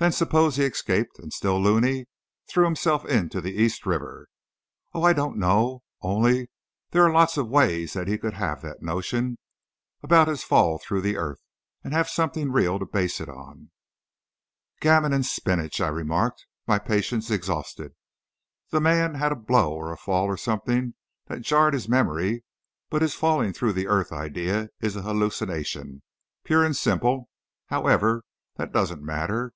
Then suppose he escaped, and, still loony, threw himself into the East River oh, I don't know only, there are lots of ways that he could have that notion about his fall through the earth, and have something real to base it on." "Gammon and spinach!" I remarked, my patience exhausted; "the man had a blow or a fall or something that jarred his memory, but his 'falling through the earth' idea is a hallucination, pure and simple. However, that doesn't matter.